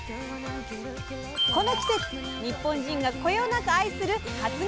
この季節日本人がこよなく愛する初がつお！